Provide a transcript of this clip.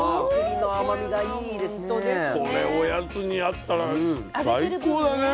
これおやつにあったら最高だね。